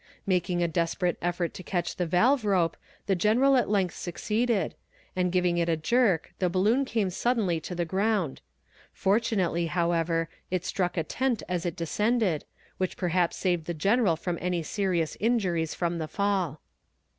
Making a desperate effort to catch the valve rope, the general at length succeeded, and giving it a jerk, the balloon came suddenly to the ground; fortunately, however, it struck a tent as it descended, which perhaps saved the general from any serious injuries from the fall.